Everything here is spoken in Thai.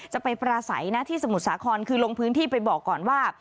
ไปปราศัยนะที่สมุทรสาครคือลงพื้นที่ไปบอกก่อนว่า